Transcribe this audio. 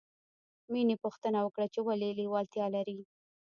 مینې پوښتنه وکړه چې ولې لېوالتیا لرې